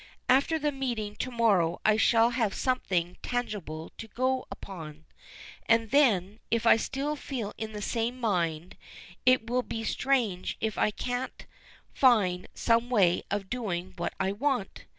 After the meeting to morrow I shall have something tangible to go upon, and then, if I still feel in the same mind, it will be strange if I can't find some way of doing what I want.